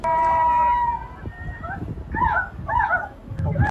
څوک ده چي راګوري دا و چاته مخامخ يمه.